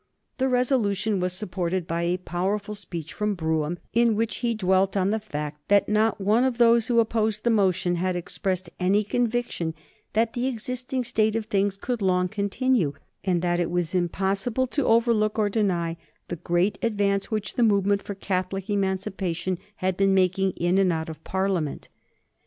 The resolution was supported by a powerful speech from Brougham, in which he dwelt on the fact that not one of those who opposed the motion had expressed any conviction that the existing state of things could long continue, and that it was impossible to overlook or deny the great advance which the movement for Catholic Emancipation had been making in and out of Parliament.